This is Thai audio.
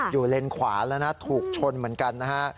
เลนขวาแล้วนะถูกชนเหมือนกันนะฮะ